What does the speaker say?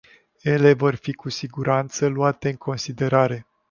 Ele vor fi cu siguranță luate în considerare.